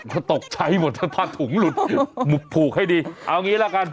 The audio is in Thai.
ก็ตกใช้หมดพาถุงหลุดหมุบผูกให้ดีเอาอย่างงี้แล้วกัน